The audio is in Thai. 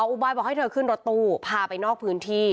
อุบายบอกให้เธอขึ้นรถตู้พาไปนอกพื้นที่